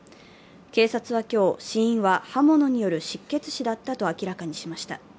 警察は今日、死因は刃物による失血死だったと明らかにしました。